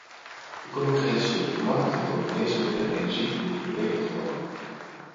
De concurrentie op de markten voor geneesmiddelen en energie moet verbeterd worden.